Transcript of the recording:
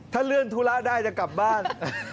ถ้าเลื่อนธุระได้จะกลับบ้าน